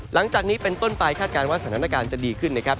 หลังจากนี้เป็นต้นไปคาดการณ์ว่าสถานการณ์จะดีขึ้นนะครับ